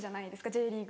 Ｊリーグは。